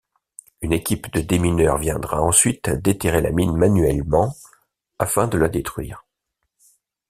Une équipe de démineurs viendra ensuite déterrer la mine manuellement, afin de la détruire.